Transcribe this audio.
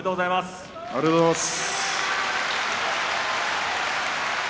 ありがとうございます。